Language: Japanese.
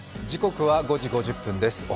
時刻は５時５０分です。